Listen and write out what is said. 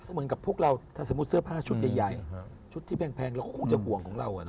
เหมือนกับพวกเราถ้าสมมุติเสื้อผ้าชุดใหญ่ชุดที่แพงเราก็คงจะห่วงของเรา